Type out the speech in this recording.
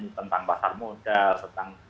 tentang pasar modal tentang